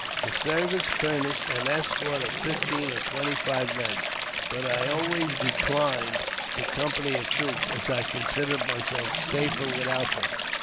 The service furnished an escort of fifteen or twenty five men, but I always declined the company of 394 AUTOBIOQBAPHY OF troops, as I considered myself safer without them.